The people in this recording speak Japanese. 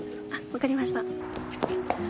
分かりました。